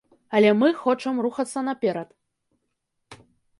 Але мы хочам рухацца наперад.